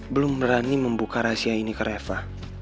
belum berani membuka rahasia ini ke reva